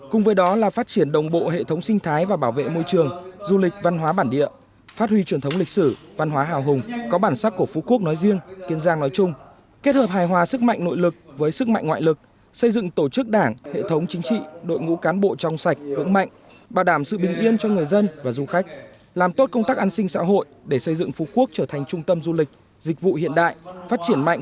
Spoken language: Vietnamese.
cùng với đó là phát triển đồng bộ hệ thống sinh thái và bảo vệ môi trường du lịch văn hóa bản địa phát huy truyền thống lịch sử văn hóa hào hùng có bản sắc của phú quốc nói riêng kiên giang nói chung kết hợp hài hòa sức mạnh nội lực với sức mạnh ngoại lực xây dựng tổ chức đảng hệ thống chính trị đội ngũ cán bộ trong sạch vững mạnh bảo đảm sự bình yên cho người dân và du khách làm tốt công tác an sinh xã hội để xây dựng phú quốc trở thành trung tâm du lịch dịch vụ hiện đại phát triển mạnh